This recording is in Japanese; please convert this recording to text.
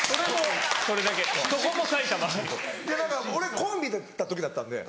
俺コンビだった時だったんで。